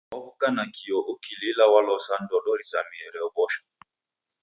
Waw'uka nakio ukilila waloswa ndodo rizamie reobosha.